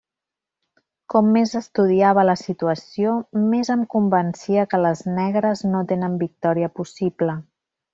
Com més estudiava la situació, més em convencia que les negres no tenen victòria possible.